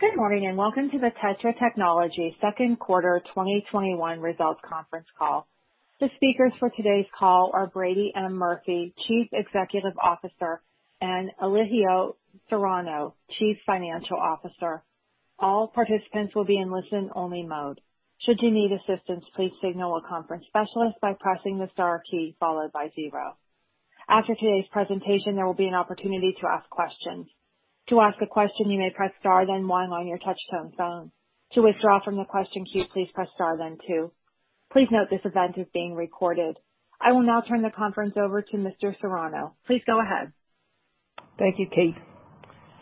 Good morning, welcome to the TETRA Technologies 2Q 2021 results conference call. The speakers for today's call are Brady M. Murphy, Chief Executive Officer, and Elijio Serrano, Chief Financial Officer. All participants will be in listen-only mode. Should you need assistance, please signal a conference specialist by pressing the star key followed by zero. After today's presentation, there will be an opportunity to ask questions. To ask a question, you may press star then one on your touchtone phone. To withdraw from the question queue, please press star then two. Please note this event is being recorded. I will now turn the conference over to Mr. Serrano. Please go ahead. Thank you, Kate.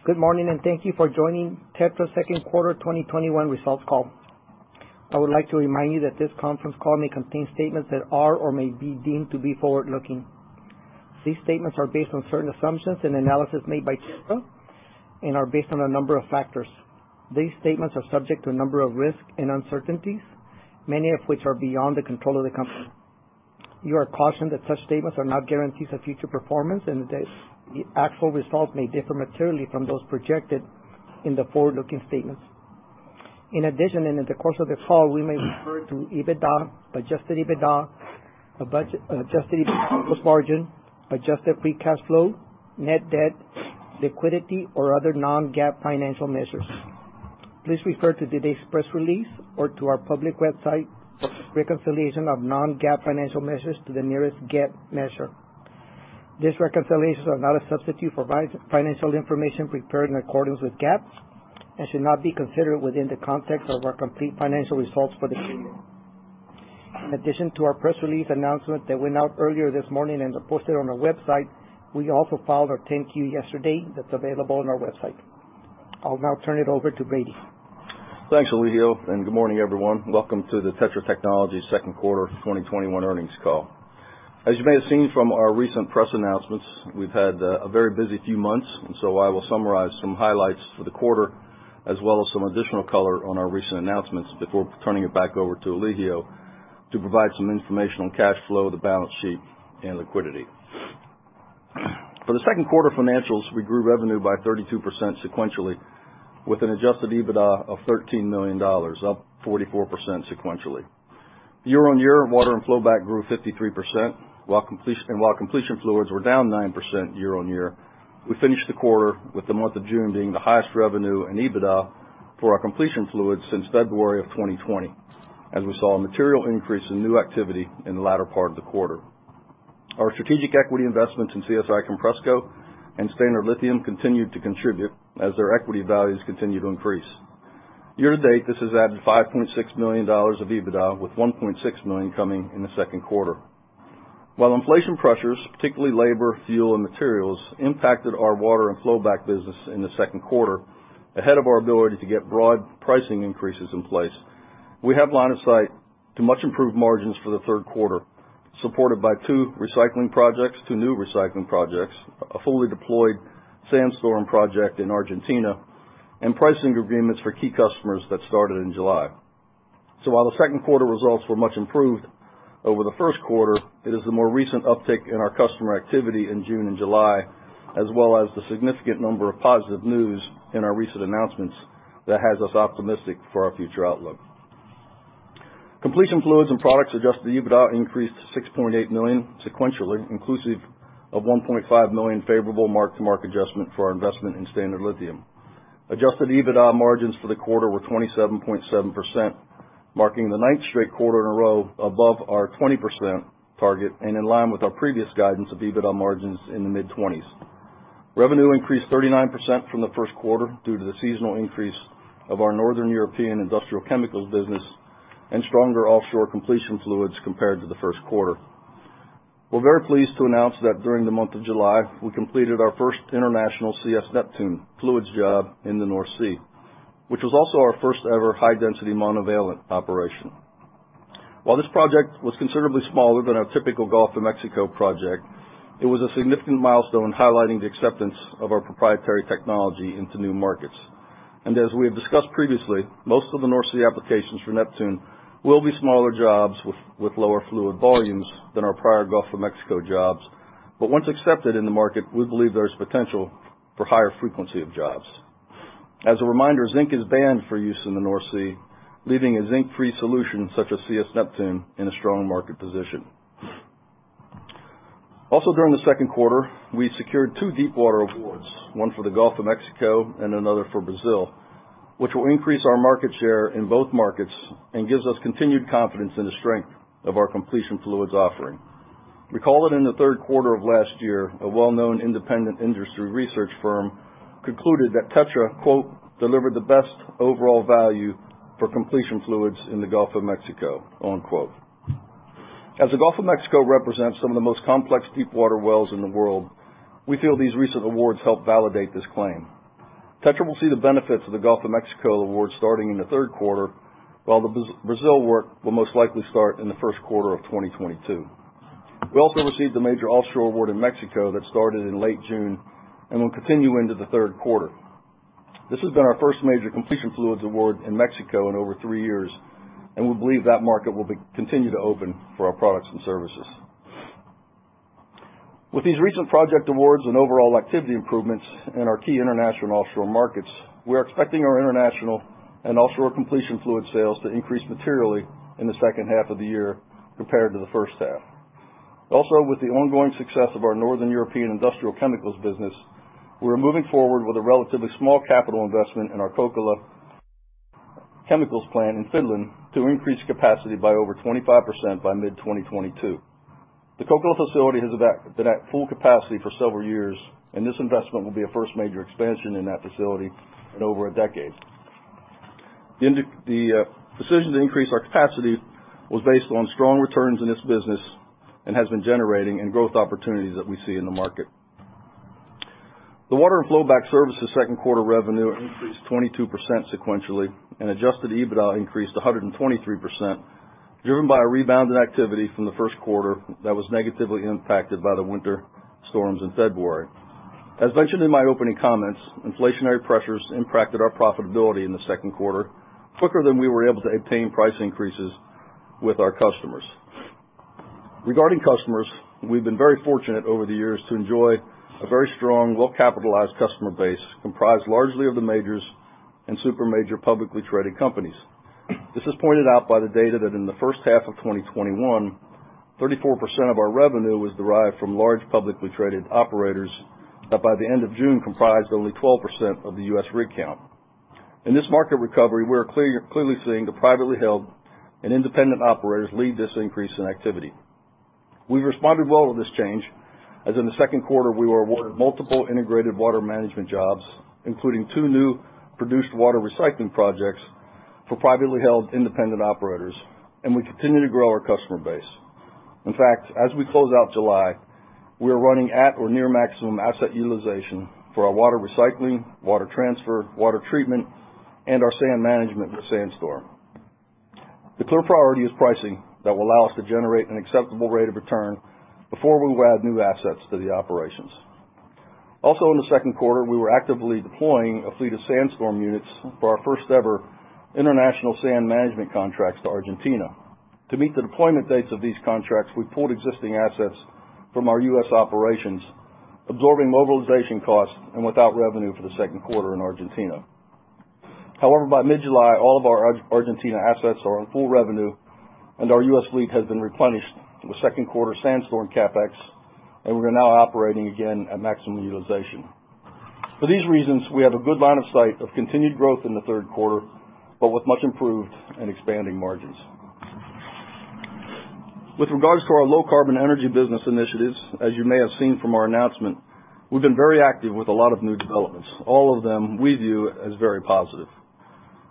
Good morning, and thank you for joining TETRA second quarter 2021 results call. I would like to remind you that this conference call may contain statements that are or may be deemed to be forward-looking. These statements are based on certain assumptions and analysis made by TETRA and are based on a number of factors. These statements are subject to a number of risks and uncertainties, many of which are beyond the control of the company. You are cautioned that such statements are not guarantees of future performance and the actual results may differ materially from those projected in the forward-looking statements. In addition, in the course of the call, we may refer to EBITDA, adjusted EBITDA, adjusted gross margin, adjusted free cash flow, net debt, liquidity or other non-GAAP financial measures. Please refer to today's press release or to our public website for the reconciliation of non-GAAP financial measures to the nearest GAAP measure. These reconciliations are not a substitute for financial information prepared in accordance with GAAP and should not be considered within the context of our complete financial results for the period. In addition to our press release announcement that went out earlier this morning and is posted on our website, we also filed our 10-Q yesterday that's available on our website. I'll now turn it over to Brady. Thanks, Elijio. Good morning, everyone. Welcome to the TETRA Technologies second quarter 2021 earnings call. As you may have seen from our recent press announcements, we've had a very busy few months. I will summarize some highlights for the quarter as well as some additional color on our recent announcements before turning it back over to Elijio to provide some information on cash flow, the balance sheet and liquidity. For the second quarter financials, we grew revenue by 32% sequentially with an adjusted EBITDA of $13 million, up 44% sequentially. Year-over-year, water and flowback grew 53%. While completion fluids were down 9% year-over-year, we finished the quarter with the month of June being the highest revenue and EBITDA for our completion fluids since February of 2020, as we saw a material increase in new activity in the latter part of the quarter. Our strategic equity investments in CSI Compressco and Standard Lithium continued to contribute as their equity values continue to increase. Year to date, this has added $5.6 million of EBITDA, with $1.6 million coming in the second quarter. While inflation pressures, particularly labor, fuel, and materials, impacted our water and flowback business in the second quarter, ahead of our ability to get broad pricing increases in place, we have line of sight to much improved margins for the third quarter, supported by two new recycling projects, a fully deployed SandStorm project in Argentina, and pricing agreements for key customers that started in July. While the second quarter results were much improved over the first quarter, it is the more recent uptick in our customer activity in June and July, as well as the significant number of positive news in our recent announcements that has us optimistic for our future outlook. Completion fluids and products adjusted EBITDA increased to $6.8 million sequentially, inclusive of $1.5 million favorable mark-to-market adjustment for our investment in Standard Lithium. Adjusted EBITDA margins for the quarter were 27.7%, marking the ninth straight quarter in a row above our 20% target and in line with our previous guidance of EBITDA margins in the mid-20s. Revenue increased 39% from the first quarter due to the seasonal increase of our Northern European industrial chemicals business and stronger offshore completion fluids compared to the first quarter. We're very pleased to announce that during the month of July, we completed our first international CS Neptune fluids job in the North Sea, which was also our first ever high-density monovalent operation. While this project was considerably smaller than our typical Gulf of Mexico project, it was a significant milestone highlighting the acceptance of our proprietary technology into new markets. As we have discussed previously, most of the North Sea applications for Neptune will be smaller jobs with lower fluid volumes than our prior Gulf of Mexico jobs. Once accepted in the market, we believe there is potential for higher frequency of jobs. As a reminder, zinc is banned for use in the North Sea, leaving a zinc-free solution such as CS Neptune in a strong market position. Also during the second quarter, we secured two deep water awards, one for the Gulf of Mexico and another for Brazil, which will increase our market share in both markets and gives us continued confidence in the strength of our completion fluids offering. Recall that in the third quarter of last year, a well-known independent industry research firm concluded that TETRA "delivered the best overall value for completion fluids in the Gulf of Mexico." As the Gulf of Mexico represents some of the most complex deep water wells in the world, we feel these recent awards help validate this claim. TETRA will see the benefits of the Gulf of Mexico award starting in the third quarter, while the Brazil work will most likely start in the first quarter of 2022. We also received a major offshore award in Mexico that started in late June and will continue into the third quarter. This has been our 1st major completion fluids award in Mexico in over three years, and we believe that market will continue to open for our products and services. With these recent project awards and overall activity improvements in our key international and offshore markets, we are expecting our international and offshore completion fluid sales to increase materially in the second half of the year compared to the 1st half. With the ongoing success of our Northern European industrial chemicals business, we're moving forward with a relatively small capital investment in our Kokkola chemicals plant in Finland to increase capacity by over 25% by mid-2022. The Kokkola facility has been at full capacity for several years, and this investment will be a first major expansion in that facility in over a decade. The decision to increase our capacity was based on strong returns in this business and has been generating in growth opportunities that we see in the market. The water and flowback services second quarter revenue increased 22% sequentially, and adjusted EBITDA increased 123%, driven by a rebound in activity from the first quarter that was negatively impacted by the winter storms in February. As mentioned in my opening comments, inflationary pressures impacted our profitability in the second quarter quicker than we were able to obtain price increases with our customers. Regarding customers, we've been very fortunate over the years to enjoy a very strong, well-capitalized customer base comprised largely of the majors and super major publicly traded companies. This is pointed out by the data that in the first half of 2021, 34% of our revenue was derived from large publicly traded operators that by the end of June comprised only 12% of the U.S. rig count. In this market recovery, we're clearly seeing the privately held and independent operators lead this increase in activity. We responded well to this change, as in the second quarter, we were awarded multiple integrated water management jobs, including two new produced water recycling projects for privately held independent operators, and we continue to grow our customer base. In fact, as we close out July, we are running at or near maximum asset utilization for our water recycling, water transfer, water treatment, and our sand management with SandStorm. The clear priority is pricing that will allow us to generate an acceptable rate of return before we add new assets to the operations. Also in the second quarter, we were actively deploying a fleet of SandStorm units for our first ever international sand management contracts to Argentina. To meet the deployment dates of these contracts, we pulled existing assets from our U.S. operations, absorbing mobilization costs and without revenue for the second quarter in Argentina. By mid-July, all of our Argentina assets are on full revenue, and our U.S. fleet has been replenished through the second quarter SandStorm CapEx, and we're now operating again at maximum utilization. For these reasons, we have a good line of sight of continued growth in the third quarter, but with much improved and expanding margins. With regards to our low carbon energy business initiatives, as you may have seen from our announcement, we've been very active with a lot of new developments, all of them we view as very positive.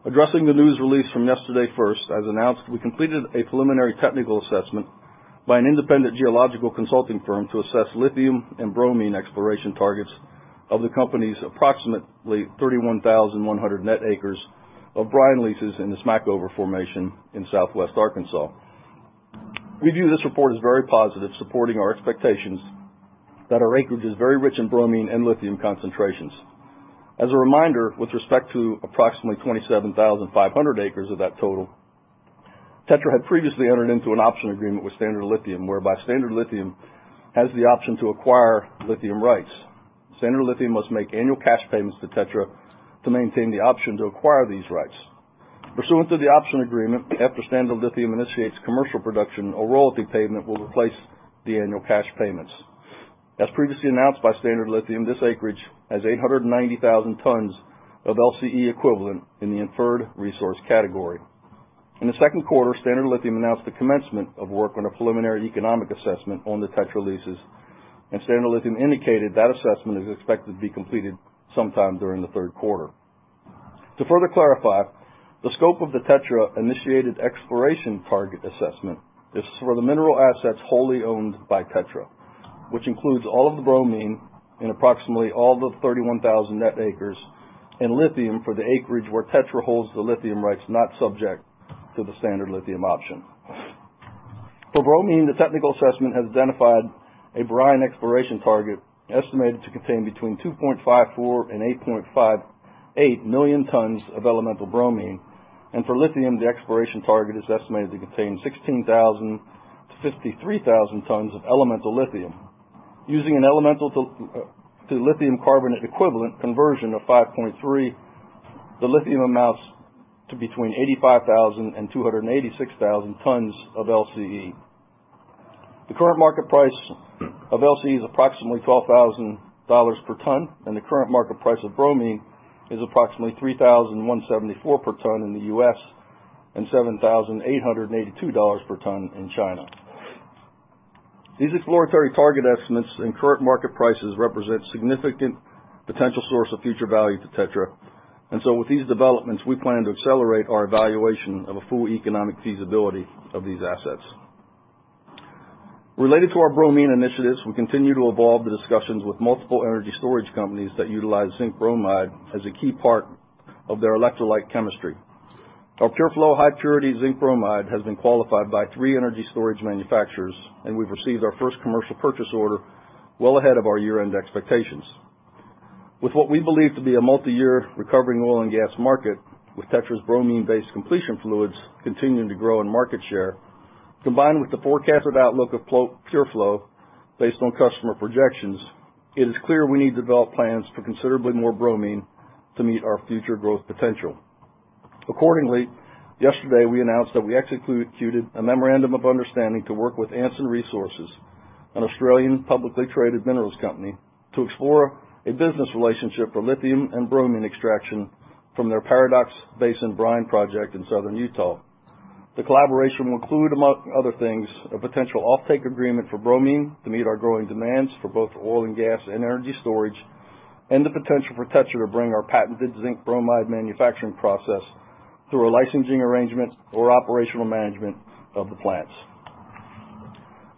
Addressing the news release from yesterday first, as announced, we completed a preliminary technical assessment by an independent geological consulting firm to assess lithium and bromine exploration targets of the company's approximately 31,100 net acres of brine leases in the Smackover Formation in southwest Arkansas. We view this report as very positive, supporting our expectations that our acreage is very rich in bromine and lithium concentrations. As a reminder, with respect to approximately 27,500 acres of that total, TETRA had previously entered into an option agreement with Standard Lithium, whereby Standard Lithium has the option to acquire lithium rights. Standard Lithium must make annual cash payments to TETRA to maintain the option to acquire these rights. Pursuant to the option agreement, after Standard Lithium initiates commercial production, a royalty payment will replace the annual cash payments. As previously announced by Standard Lithium, this acreage has 890,000 tons of LCE equivalent in the inferred resource category. In the second quarter, Standard Lithium announced the commencement of work on a preliminary economic assessment on the TETRA leases, and Standard Lithium indicated that assessment is expected to be completed sometime during the third quarter. To further clarify, the scope of the TETRA-initiated exploration target assessment is for the mineral assets wholly owned by TETRA, which includes all of the bromine in approximately all the 31,000 net acres in lithium for the acreage where TETRA holds the lithium rights not subject to the Standard Lithium option. For bromine, the technical assessment has identified a brine exploration target estimated to contain between 2.54 million and 8.58 million tons of elemental bromine, and for lithium, the exploration target is estimated to contain 16,000 tons-53,000 tons of elemental lithium. Using an elemental to lithium carbonate equivalent conversion of 5.3, the lithium amounts to between 85,000 and 286,000 tons of LCE. The current market price of LCE is approximately $12,000 per ton, and the current market price of bromine is approximately $3,174 per ton in the U.S. and $7,882 per ton in China. These exploratory target estimates and current market prices represent significant potential source of future value to TETRA. With these developments, we plan to accelerate our evaluation of a full economic feasibility of these assets. Related to our bromine initiatives, we continue to evolve the discussions with multiple energy storage companies that utilize zinc bromide as a key part of their electrolyte chemistry. Our PureFlow high purity zinc bromide has been qualified by three energy storage manufacturers, and we've received our first commercial purchase order well ahead of our year-end expectations. With what we believe to be a multi-year recovering oil and gas market, with TETRA's bromine-based completion fluids continuing to grow in market share, combined with the forecasted outlook of PureFlow based on customer projections, it is clear we need to develop plans for considerably more bromine to meet our future growth potential. Accordingly, yesterday, we announced that we executed a memorandum of understanding to work with Anson Resources, an Australian publicly traded minerals company, to explore a business relationship for lithium and bromine extraction from their Paradox Basin Brine project in southern Utah. The collaboration will include, among other things, a potential offtake agreement for bromine to meet our growing demands for both oil and gas and energy storage, and the potential for TETRA to bring our patented zinc bromide manufacturing process through a licensing arrangement or operational management of the plants.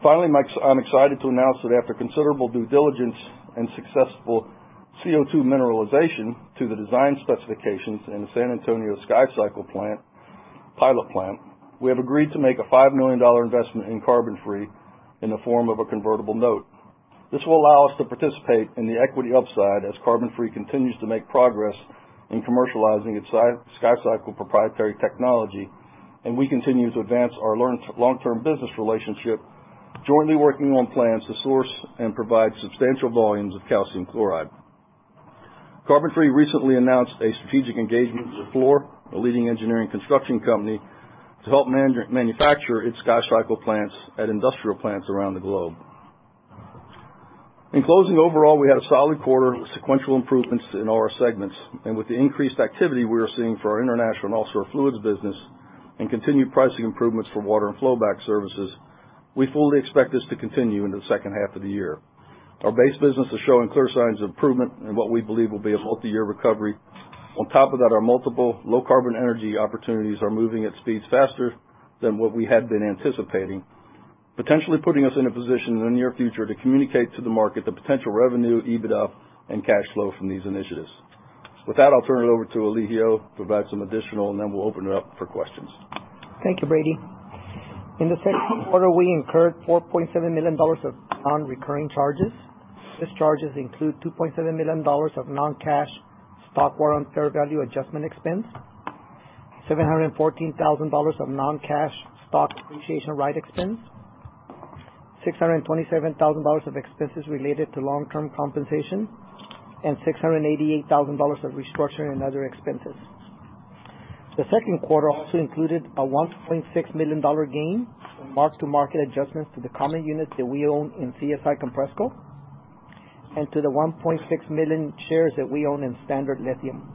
Finally, I'm excited to announce that after considerable due diligence and successful CO2 mineralization to the design specifications in the San Antonio SkyCycle pilot plant, we have agreed to make a $5 million investment in CarbonFree in the form of a convertible note. This will allow us to participate in the equity upside as CarbonFree continues to make progress in commercializing its SkyCycle proprietary technology, and we continue to advance our long-term business relationship, jointly working on plans to source and provide substantial volumes of calcium chloride. CarbonFree recently announced a strategic engagement with Fluor, a leading engineering construction company, to help manufacture its SkyCycle plants at industrial plants around the globe. In closing, overall, we had a solid quarter with sequential improvements in all our segments. With the increased activity we are seeing for our international and offshore fluids business and continued pricing improvements for water and flowback services, we fully expect this to continue into the second half of the year. Our base business is showing clear signs of improvement in what we believe will be a multi-year recovery. On top of that, our multiple low-carbon energy opportunities are moving at speeds faster than what we had been anticipating, potentially putting us in a position in the near future to communicate to the market the potential revenue, EBITDA, and cash flow from these initiatives. With that, I'll turn it over to Elijio to provide some additional, and then we'll open it up for questions. Thank you, Brady. In the second quarter, we incurred $4.7 million of non-recurring charges. These charges include $2.7 million of non-cash stock warrant fair value adjustment expense, $714,000 of non-cash stock appreciation right expense, $627,000 of expenses related to long-term compensation, and $688,000 of restructuring and other expenses. The second quarter also included a $1.6 million gain from mark-to-market adjustments to the common units that we own in CSI Compressco and to the 1.6 million shares that we own in Standard Lithium.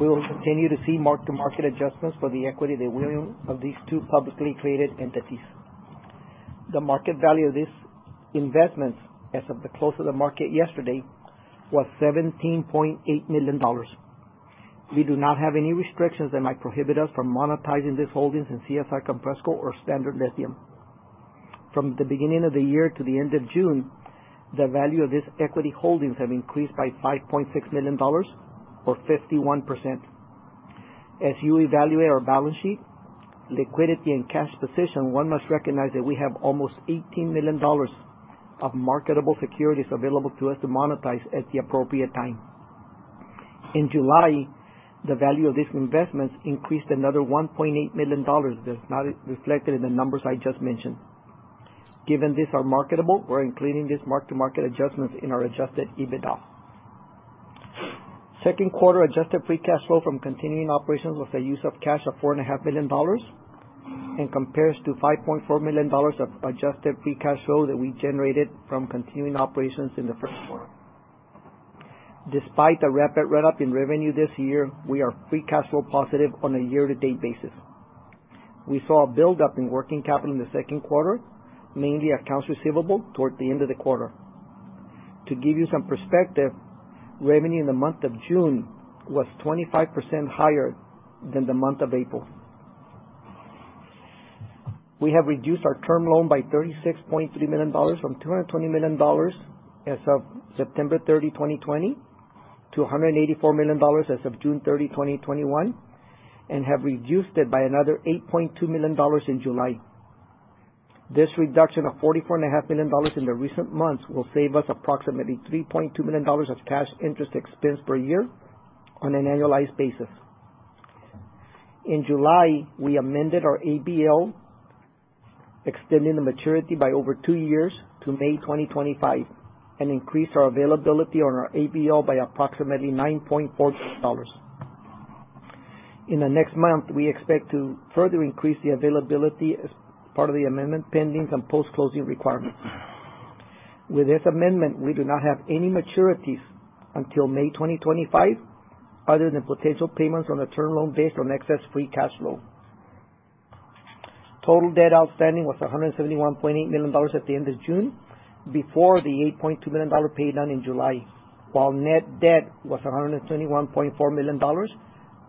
We will continue to see mark-to-market adjustments for the equity that we own of these two publicly traded entities. The market value of these investments as of the close of the market yesterday was $17.8 million. We do not have any restrictions that might prohibit us from monetizing these holdings in CSI Compressco or Standard Lithium. From the beginning of the year to the end of June, the value of these equity holdings have increased by $5.6 million or 51%. As you evaluate our balance sheet, liquidity, and cash position, one must recognize that we have almost $18 million of marketable securities available to us to monetize at the appropriate time. In July, the value of these investments increased another $1.8 million that's not reflected in the numbers I just mentioned. Given these are marketable, we're including these mark-to-market adjustments in our adjusted EBITDA. Second quarter adjusted free cash flow from continuing operations was a use of cash of $4.5 million and compares to $5.4 million of adjusted free cash flow that we generated from continuing operations in the first quarter. Despite the rapid run-up in revenue this year, we are free cash flow positive on a year-to-date basis. We saw a buildup in working capital in the 2nd quarter, mainly accounts receivable toward the end of the quarter. To give you some perspective, revenue in the month of June was 25% higher than the month of April. We have reduced our term loan by $36.3 million from $220 million as of September 30, 2020, to $184 million as of June 30, 2021, and have reduced it by another $8.2 million in July. This reduction of $44.5 million in the recent months will save us approximately $3.2 million of cash interest expense per year on an annualized basis. In July, we amended our ABL, extending the maturity by over two years to May 2025 and increased our availability on our ABL by approximately $9.4 million. In the next month, we expect to further increase the availability as part of the amendment pending some post-closing requirements. With this amendment, we do not have any maturities until May 2025, other than potential payments on the term loan based on excess free cash flow. Total debt outstanding was $171.8 million at the end of June before the $8.2 million pay down in July, while net debt was $121.4 million.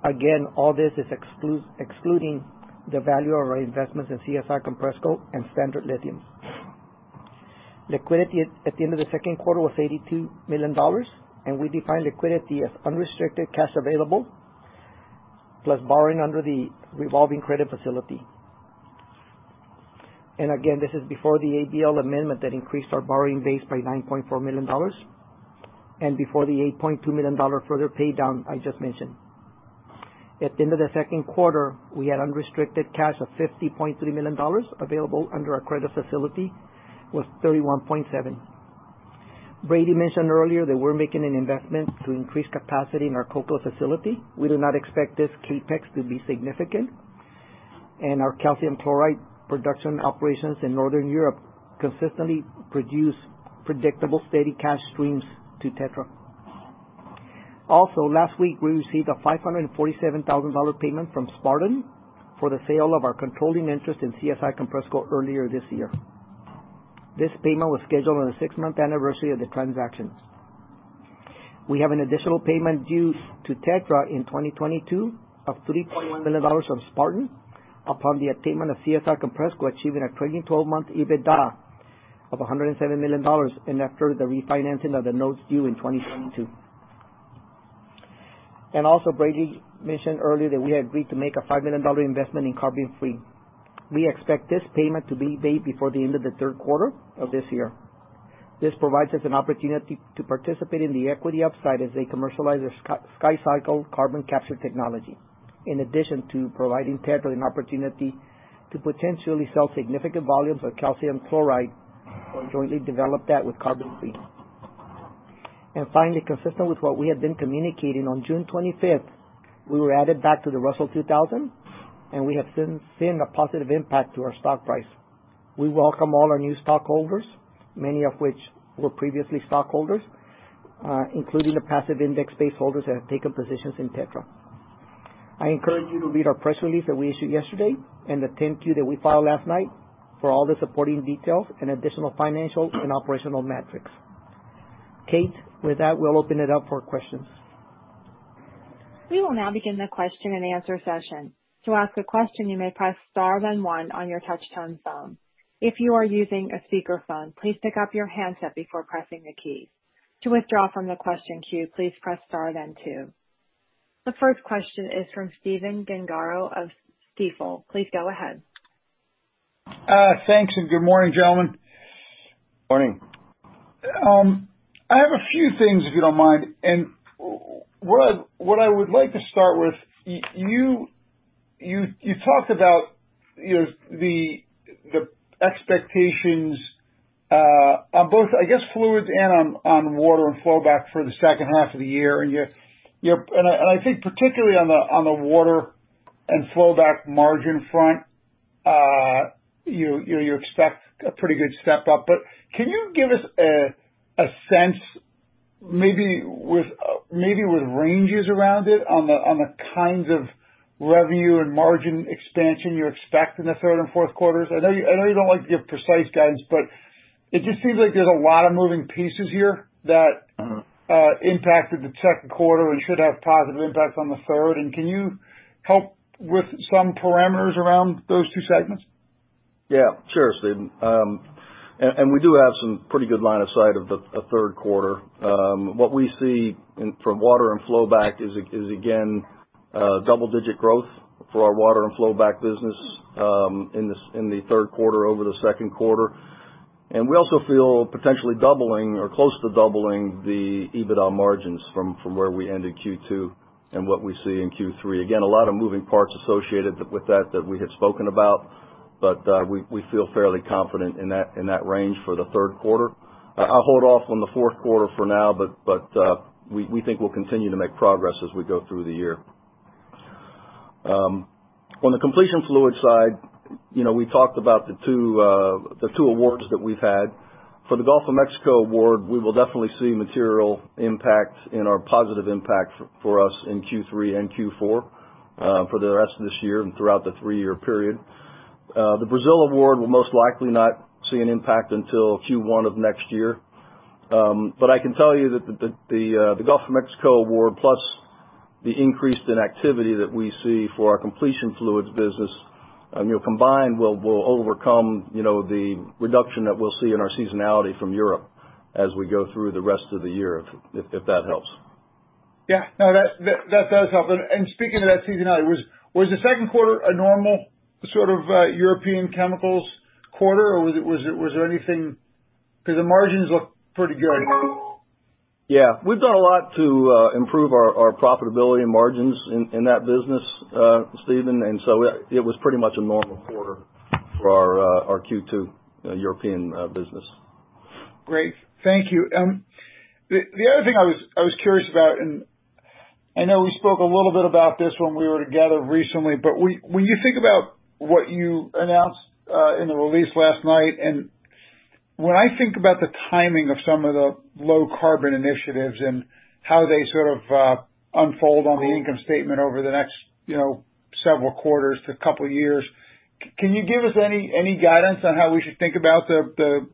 Again, all this is excluding the value of our investments in CSI Compressco and Standard Lithium. Liquidity at the end of the second quarter was $82 million, and we define liquidity as unrestricted cash available plus borrowing under the revolving credit facility. Again, this is before the ABL amendment that increased our borrowing base by $9.4 million and before the $8.2 million further pay down I just mentioned. At the end of the second quarter, we had unrestricted cash of $50.3 million. Available under our credit facility was $31.7. Brady mentioned earlier that we're making an investment to increase capacity in our Kokkola facility. We do not expect this CapEx to be significant. Our calcium chloride production operations in Northern Europe consistently produce predictable, steady cash streams to TETRA. Last week we received a $547,000 payment from Spartan for the sale of our controlling interest in CSI Compressco earlier this year. This payment was scheduled on the six-month anniversary of the transactions. We have an additional payment due to TETRA in 2022 of $3 million from Spartan upon the attainment of CSI Compressco achieving a trailing 12-month EBITDA of $107 million and after the refinancing of the notes due in 2022. Brady mentioned earlier that we had agreed to make a $5 million investment in CarbonFree. We expect this payment to be made before the end of the third quarter of this year. This provides us an opportunity to participate in the equity upside as they commercialize their SkyCycle carbon capture technology, in addition to providing TETRA an opportunity to potentially sell significant volumes of calcium chloride or jointly develop that with CarbonFree. Finally, consistent with what we have been communicating on June 25th, we were added back to the Russell 2000, and we have since seen a positive impact to our stock price. We welcome all our new stockholders, many of which were previously stockholders, including the passive index base holders that have taken positions in TETRA. I encourage you to read our press release that we issued yesterday and the 10-Q that we filed last night for all the supporting details and additional financial and operational metrics. Kate, with that, we'll open it up for questions. We will now begin the question and answer session. The first question is from Stephen Gengaro of Stifel. Please go ahead. Thanks, good morning, gentlemen. Morning. I have a few things, if you don't mind. What I would like to start with, you talked about the expectations on both, I guess, fluids and on water and flowback for the second half of the year. I think particularly on the water and flowback margin front, you expect a pretty good step up. Can you give us a sense, maybe with ranges around it, on the kinds of revenue and margin expansion you expect in the third and fourth quarters? I know you don't like to give precise guidance, but it just seems like there's a lot of moving pieces here that impacted the second quarter and should have positive impact on the third. Can you help with some parameters around those two segments? Sure, Stephen. We do have some pretty good line of sight of the third quarter. What we see for water and flowback is again double-digit growth for our water and flowback business in the third quarter over the second quarter. We also feel potentially doubling or close to doubling the EBITDA margins from where we ended Q2 and what we see in Q3. A lot of moving parts associated with that that we have spoken about, but we feel fairly confident in that range for the third quarter. I'll hold off on the fourth quarter for now, but we think we'll continue to make progress as we go through the year. On the completion fluid side, we talked about the two awards that we've had. For the Gulf of Mexico award, we will definitely see material impact in our positive impact for us in Q3 and Q4 for the rest of this year and throughout the three-year period. The Brazil award will most likely not see an impact until Q1 of next year. I can tell you that the Gulf of Mexico award plus the increase in activity that we see for our completion fluids business combined will overcome the reduction that we'll see in our seasonality from Europe as we go through the rest of the year, if that helps. Yeah. No, that does help. Speaking of that seasonality, was the second quarter a normal sort of European chemicals quarter, or was there anything? Because the margins look pretty good. Yeah. We've done a lot to improve our profitability and margins in that business, Stephen. It was pretty much a normal quarter for our Q2 European business. Great. Thank you. The other thing I was curious about, and I know we spoke a little bit about this when we were together recently, but when you think about what you announced in the release last night, and when I think about the timing of some of the low carbon initiatives and how they sort of unfold on the income statement over the next several quarters to couple years, can you give us any guidance on how we should think about the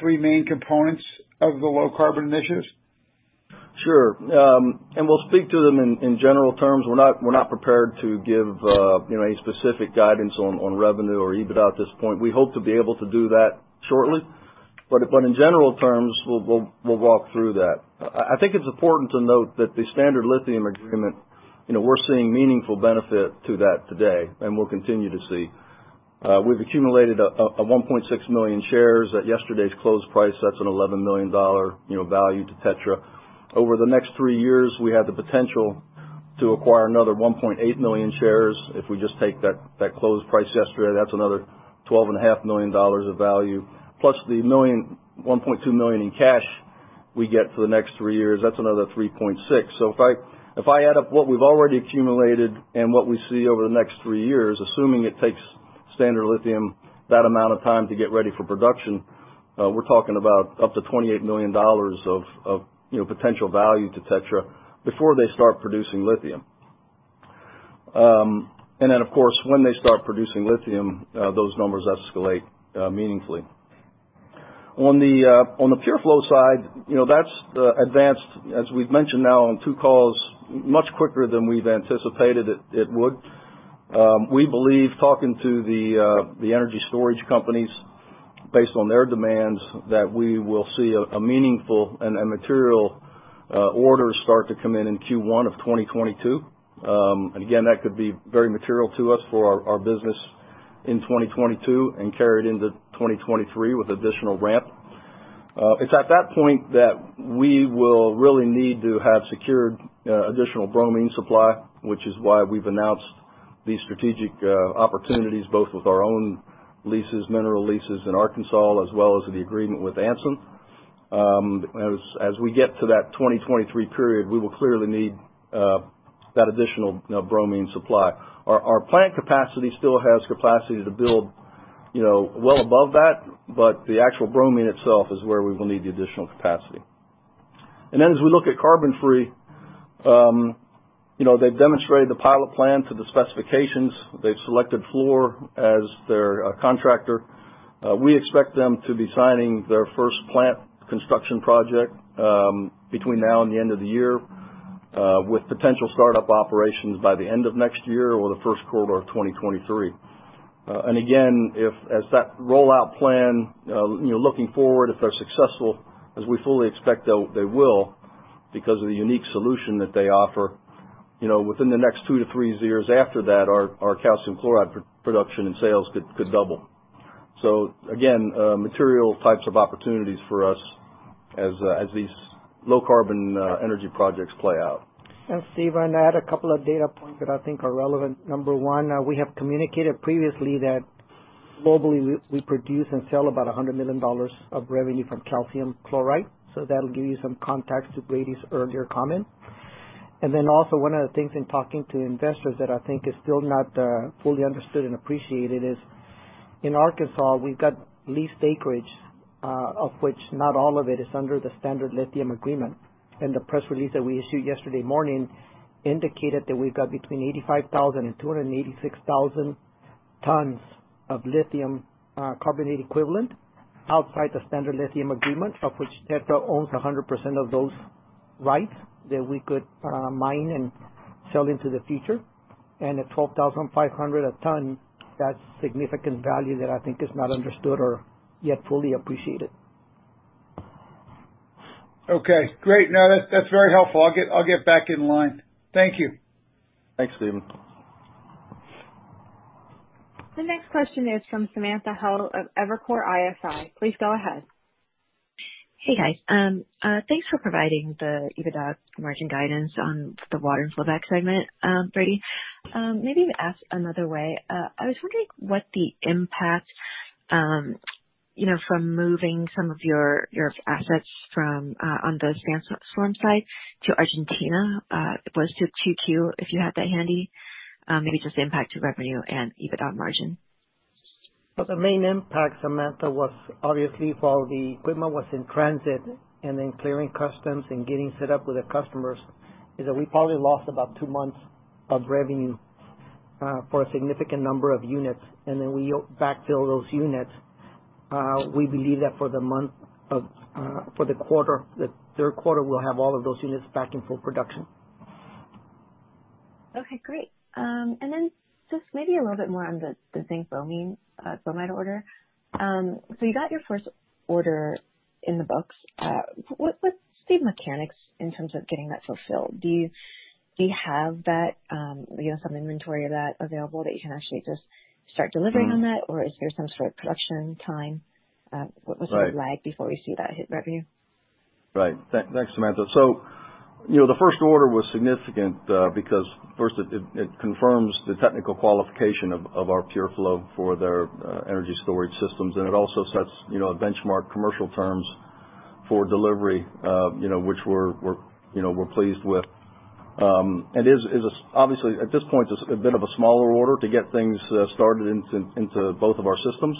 three main components of the low carbon initiatives? Sure. We'll speak to them in general terms. We're not prepared to give any specific guidance on revenue or EBITDA at this point. We hope to be able to do that shortly. But in general terms, we'll walk through that. I think it's important to note that the Standard Lithium agreement, we're seeing meaningful benefit to that today, and we'll continue to see. We've accumulated 1.6 million shares at yesterday's close price. That's an $11 million value to TETRA. Over the next three years, we have the potential to acquire another 1.8 million shares. If we just take that close price yesterday, that's another $12.5 million of value, plus the $1.2 million in cash we get for the next three years, that's another $3.6 million. If I add up what we've already accumulated and what we see over the next three years, assuming it takes Standard Lithium that amount of time to get ready for production, we're talking about up to $28 million of potential value to TETRA before they start producing lithium. Of course, when they start producing lithium, those numbers escalate meaningfully. On the PureFlow side, that's advanced, as we've mentioned now on two calls, much quicker than we've anticipated it would. We believe, talking to the energy storage companies based on their demands, that we will see a meaningful and material orders start to come in in Q1 of 2022. That could be very material to us for our business in 2022 and carry it into 2023 with additional ramp. It's at that point that we will really need to have secured additional bromine supply, which is why we've announced these strategic opportunities, both with our own mineral leases in Arkansas, as well as the agreement with Anson. As we get to that 2023 period, we will clearly need that additional bromine supply. Our plant capacity still has capacity to build well above that. The actual bromine itself is where we will need the additional capacity. As we look at CarbonFree, they've demonstrated the pilot plan to the specifications. They've selected Fluor as their contractor. We expect them to be signing their first plant construction project between now and the end of the year, with potential startup operations by the end of next year or the first quarter of 2023. Again, as that rollout plan, looking forward, if they're successful, as we fully expect they will, because of the unique solution that they offer, within the next two to three years after that, our calcium chloride production and sales could double. Again, material types of opportunities for us as these low carbon energy projects play out. Stephen, I'm going to add a couple of data points that I think are relevant. Number one, we have communicated previously that globally, we produce and sell about $100 million of revenue from calcium chloride. That'll give you some context to Brady's earlier comment. One of the things in talking to investors that I think is still not fully understood and appreciated is in Arkansas, we've got leased acreage, of which not all of it is under the Standard Lithium agreement. The press release that we issued yesterday morning indicated that we've got between 85,000 and 286,000 tons of lithium carbonate equivalent outside the Standard Lithium agreement, of which TETRA owns 100% of those rights that we could mine and sell into the future. At $12,500 a ton, that's significant value that I think is not understood or yet fully appreciated. Okay, great. That's very helpful. I'll get back in line. Thank you. Thanks, Stephen. The next question is from Samantha Hoh of Evercore ISI. Please go ahead. Hey, guys. Thanks for providing the EBITDA margin guidance on the water and flowback segment, Brady. Maybe to ask another way, I was wondering what the impact from moving some of your assets from on the SandStorm side to Argentina was to 2Q, if you had that handy. Maybe just the impact to revenue and EBITDA margin. Well, the main impact, Samantha, was obviously while the equipment was in transit and then clearing customs and getting set up with the customers, is that we probably lost about two months of revenue for a significant number of units. We backfill those units. We believe that for the third quarter, we'll have all of those units back in full production. Just maybe a little bit more on the zinc bromine bromide order. You got your first order in the books. What's the mechanics in terms of getting that fulfilled? Do you have some inventory of that available that you can actually just start delivering on that? Or is there some sort of production time? Right. What's the lag before we see that hit revenue? Right. Thanks, Samantha. The first order was significant because first, it confirms the technical qualification of our PureFlow for their energy storage systems, and it also sets benchmark commercial terms for delivery, which we're pleased with. Obviously at this point, it's a bit of a smaller order to get things started into both of our systems.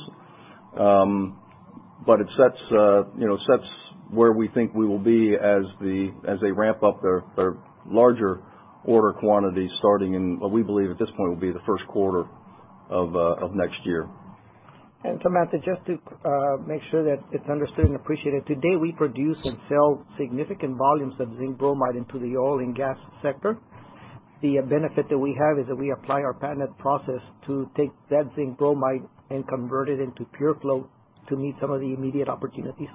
It sets where we think we will be as they ramp up their larger order quantity starting in, what we believe at this point, will be the first quarter of next year. Samantha, just to make sure that it's understood and appreciated, today, we produce and sell significant volumes of zinc bromide into the oil and gas sector. The benefit that we have is that we apply our patented process to take that zinc bromide and convert it into PureFlow to meet some of the immediate opportunities.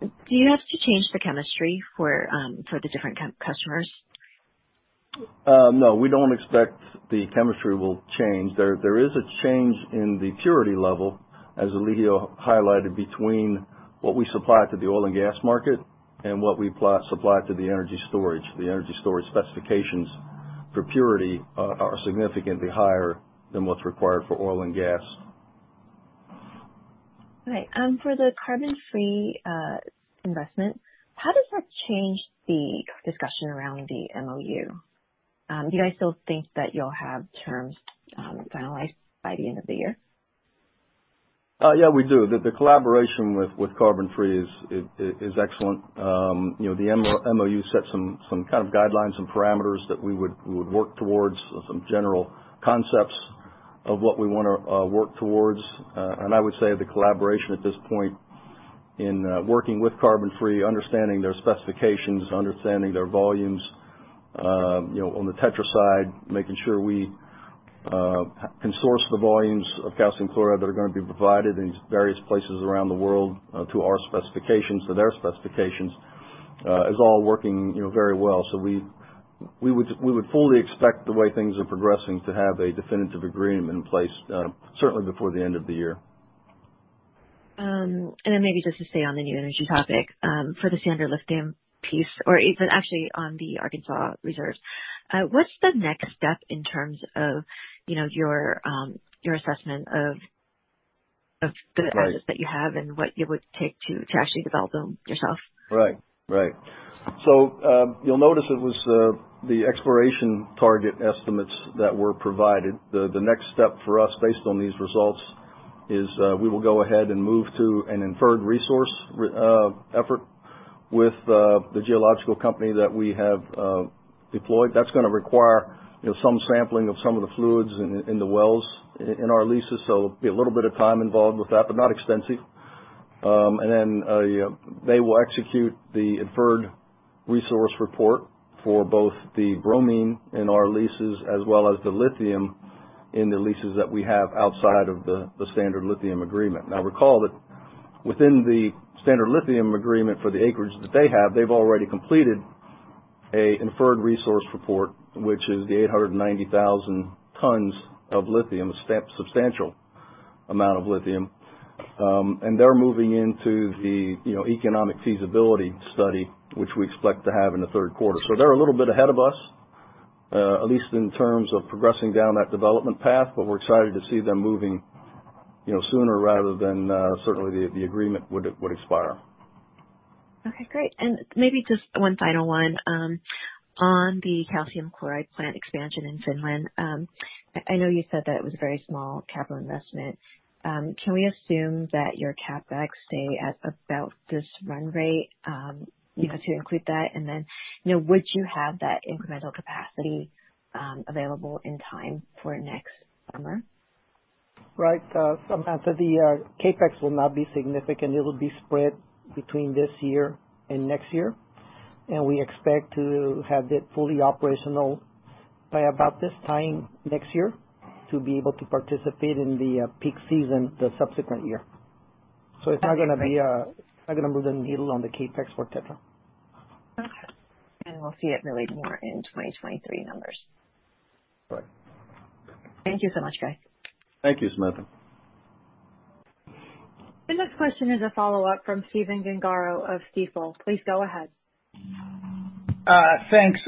Do you have to change the chemistry for the different customers? No, we don't expect the chemistry will change. There is a change in the purity level, as Elijio Serrano highlighted, between what we supply to the oil and gas market and what we supply to the energy storage. The energy storage specifications for purity are significantly higher than what's required for oil and gas. Right. For the CarbonFree investment, how does that change the discussion around the MOU? Do you guys still think that you'll have terms finalized by the end of the year? Yeah, we do. The collaboration with CarbonFree is excellent. The MOU set some kind of guidelines and parameters that we would work towards, some general concepts of what we want to work towards. I would say the collaboration at this point in working with CarbonFree, understanding their specifications, understanding their volumes. On the TETRA side, making sure we can source the volumes of calcium chloride that are going to be provided in various places around the world to our specifications, to their specifications, is all working very well. We would fully expect the way things are progressing to have a definitive agreement in place, certainly before the end of the year. Maybe just to stay on the new energy topic, for the Standard Lithium piece, or actually on the Arkansas reserves, what's the next step in terms of your assessment of the assets that you have and what it would take to actually develop them yourself? Right. You'll notice it was the exploration target estimates that were provided. The next step for us, based on these results, is we will go ahead and move to an inferred resource effort with the geological company that we have deployed. That's going to require some sampling of some of the fluids in the wells in our leases. There'll be a little bit of time involved with that, but not extensive. They will execute the inferred resource report for both the bromine in our leases as well as the lithium in the leases that we have outside of the Standard Lithium agreement. Now, recall that within the Standard Lithium agreement for the acreage that they have, they've already completed an inferred resource report, which is the 890,000 tons of lithium, a substantial amount of lithium. They're moving into the economic feasibility study, which we expect to have in the third quarter. They're a little bit ahead of us, at least in terms of progressing down that development path, but we're excited to see them moving sooner rather than certainly the agreement would expire. Okay, great. Maybe just one final one. On the calcium chloride plant expansion in Finland. I know you said that it was a very small capital investment. Can we assume that your CapEx stay at about this run rate, to include that? Would you have that incremental capacity available in time for next summer? Right. Samantha, the CapEx will not be significant. It'll be spread between this year and next year, and we expect to have it fully operational by about this time next year to be able to participate in the peak season the subsequent year. It's not going to move the needle on the CapEx for TETRA. Okay. We'll see it really more in 2023 numbers. Right. Thank you so much, guys. Thank you, Samantha. The next question is a follow-up from Stephen Gengaro of Stifel. Please go ahead. Thanks.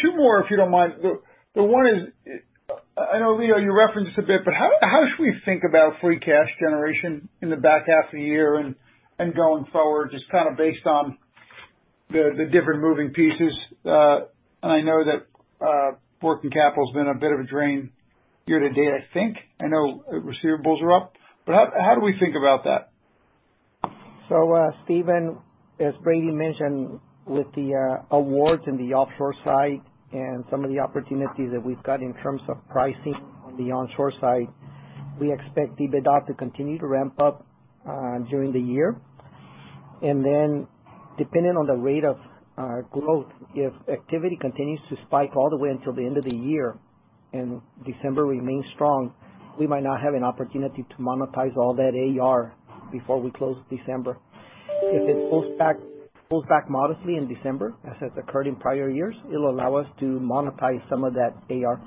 Two more, if you don't mind. The one is, I know, Elijio, you referenced this a bit, but how should we think about free cash generation in the back half of the year and going forward, just based on the different moving pieces? I know that working capital's been a bit of a drain year-to-date, I think. I know receivables are up. How do we think about that? Stephen, as Brady mentioned, with the awards in the offshore side and some of the opportunities that we've got in terms of pricing on the onshore side, we expect EBITDA to continue to ramp up during the year. Depending on the rate of our growth, if activity continues to spike all the way until the end of the year and December remains strong, we might not have an opportunity to monetize all that AR before we close December. If it pulls back modestly in December, as has occurred in prior years, it'll allow us to monetize some of that AR.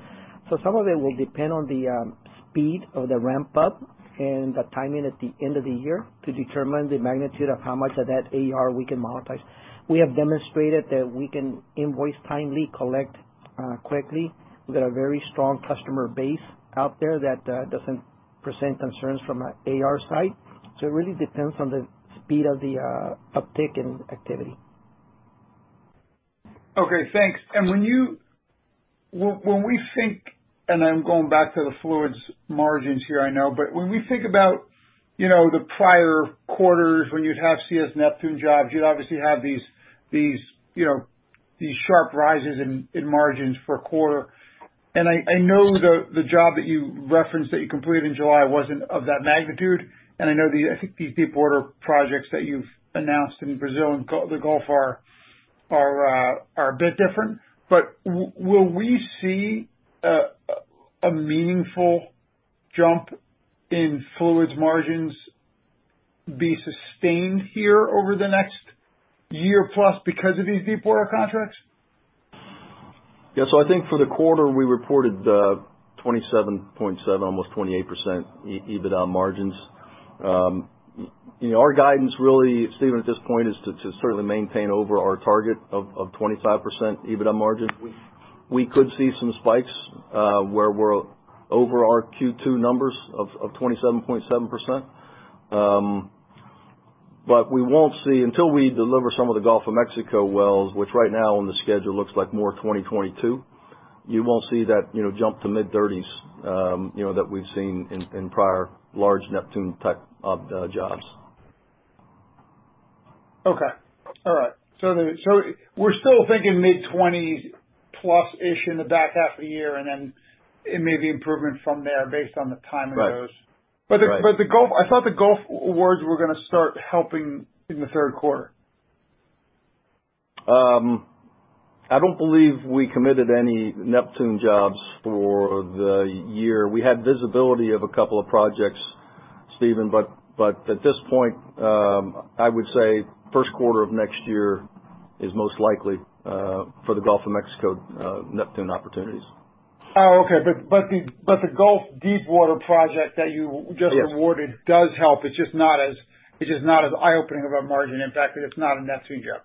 Some of it will depend on the speed of the ramp-up and the timing at the end of the year to determine the magnitude of how much of that AR we can monetize. We have demonstrated that we can invoice timely, collect quickly. We've got a very strong customer base out there that doesn't present concerns from an AR side. It really depends on the speed of the uptick in activity. Okay, thanks. When we think about the prior quarters, when you'd have CS Neptune jobs, you'd obviously have these sharp rises in margins for a quarter. I know the job that you referenced that you completed in July wasn't of that magnitude, and I know the deep water projects that you've announced in Brazil and the Gulf are a bit different. Will we see a meaningful jump in fluids margins be sustained here over the next year plus because of these deep water contracts? I think for the quarter, we reported 27.7, almost 28% EBITDA margins. Our guidance really, Stephen, at this point is to certainly maintain over our target of 25% EBITDA margins. We could see some spikes, where we're over our Q2 numbers of 27.7%. We won't see Until we deliver some of the Gulf of Mexico wells, which right now on the schedule looks like more 2022, you won't see that jump to mid-30s that we've seen in prior large Neptune type of jobs. Okay. All right. We're still thinking mid-20s plus-ish in the back half of the year, and then it may be improvement from there based on the timing of those. Right. I thought the Gulf awards were going to start helping in the third quarter. I don't believe we committed any Neptune jobs for the year. We had visibility of a couple of projects, Stephen, but at this point, I would say first quarter of next year is most likely, for the Gulf of Mexico Neptune opportunities. Oh, okay. The Gulf deepwater project that you just awarded does help, it's just not as eye-opening of a margin impact because it's not a Neptune job.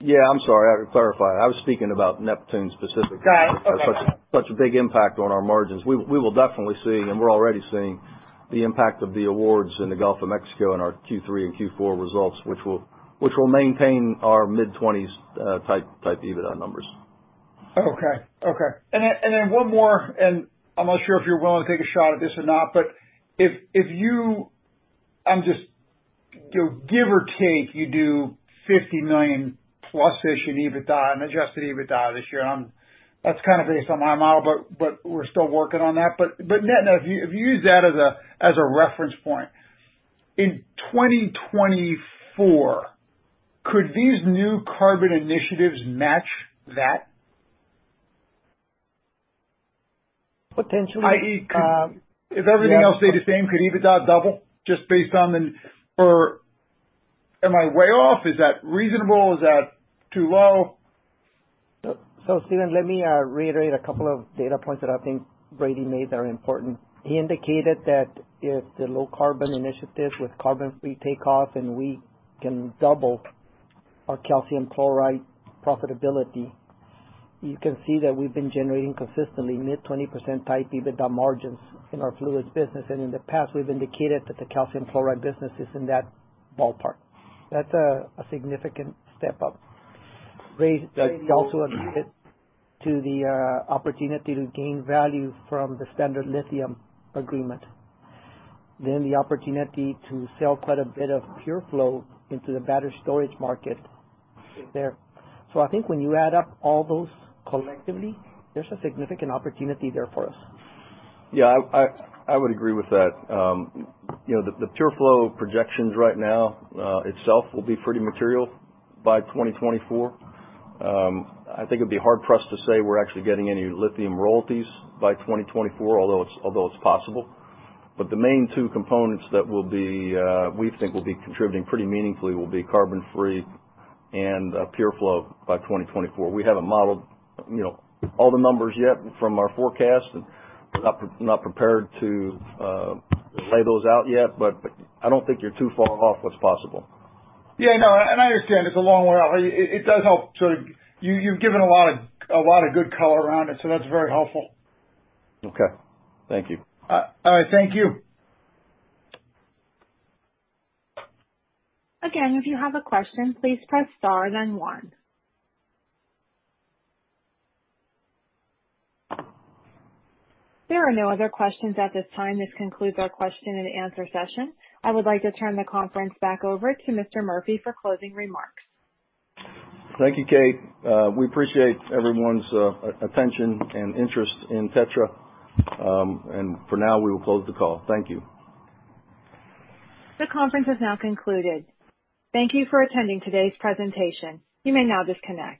I'm sorry. I have to clarify. I was speaking about Neptune specifically. Got it. Okay. Such a big impact on our margins. We will definitely see, and we're already seeing the impact of the awards in the Gulf of Mexico in our Q3 and Q4 results, which will maintain our mid-twenties type EBITDA numbers. Okay. One more, and I'm not sure if you're willing to take a shot at this or not, but if you, give or take, you do $50 million plus-ish in EBITDA and adjusted EBITDA this year, that's kind of based on my model, but we're still working on that. If you use that as a reference point, in 2024, could these new carbon initiatives match that? Potentially. If everything else stayed the same, could EBITDA double just based on the Am I way off? Is that reasonable? Is that too low? Stephen, let me reiterate a couple of data points that I think Brady made that are important. He indicated that if the low carbon initiatives with CarbonFree take off and we can double our calcium chloride profitability, you can see that we've been generating consistently mid 20% type EBITDA margins in our fluids business. In the past, we've indicated that the calcium chloride business is in that ballpark. That's a significant step up. Brady also alluded to the opportunity to gain value from the Standard Lithium agreement. The opportunity to sell quite a bit of PureFlow into the battery storage market is there. I think when you add up all those collectively, there's a significant opportunity there for us. Yeah, I would agree with that. The PureFlow projections right now, itself, will be pretty material by 2024. I think it'd be hard for us to say we're actually getting any lithium royalties by 2024, although it's possible. The main two components that we think will be contributing pretty meaningfully will be CarbonFree and PureFlow by 2024. We haven't modeled all the numbers yet from our forecast and we're not prepared to lay those out yet, but I don't think you're too far off what's possible. Yeah, no, I understand it's a long way out. It does help. You've given a lot of good color around it, so that's very helpful. Okay. Thank you. All right. Thank you. Again, if you have a question, please press star then one. There are no other questions at this time. This concludes our question and answer session. I would like to turn the conference back over to Mr. Murphy for closing remarks. Thank you, Kate. We appreciate everyone's attention and interest in TETRA. For now, we will close the call. Thank you. The conference has now concluded. Thank you for attending today's presentation. You may now disconnect.